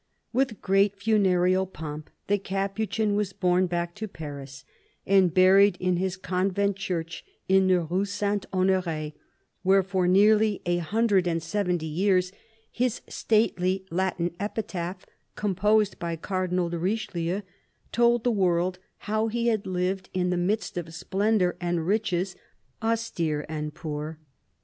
With great funeral pomp the Capuchin was borne back to Paris and buried in his convent church in the Rue St. Honore, where for nearly a hundred and seventy years his stately Latin epitaph, composed by Cardinal de Richelieu, told the world how he had lived in the midst of splendour and riches, austere and poor.